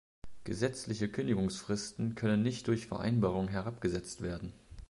Gesetzliche Kündigungsfristen können nicht durch Vereinbarung herabgesetzt werden.